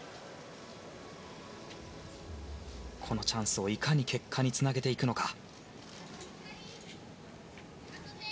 このチャンスをいかに結果につなげていくのか。